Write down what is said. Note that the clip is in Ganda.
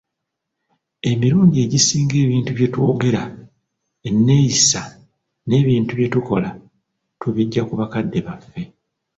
Emirundi egisinga ebintu bye twogera, eneyisaa, n'ebintu bye tukola tubijja ku bakadde baffe.